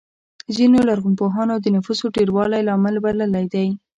ځینو لرغونپوهانو د نفوسو ډېروالی لامل بللی دی.